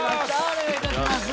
お願いいたします